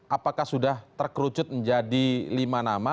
apakah sudah terkerucut menjadi lima nama